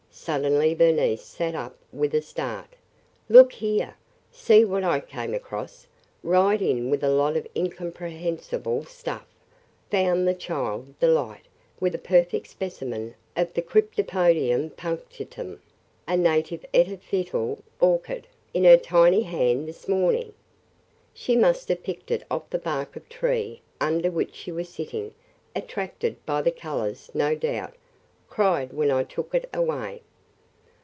Suddenly Bernice sat up with a start. "Look here! See what I came across, right in with a lot of incomprehensible stuff! 'Found the child, Delight, with a perfect specimen of the Cyrtopodium punctatum, a native epiphytal orchid, in her tiny hand this morning. She must have picked it off the bark of tree under which she was sitting. Attracted by the colors, no doubt. Cried when I took it away.'